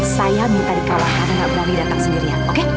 saya minta dikawal karena gak berani datang sendirian oke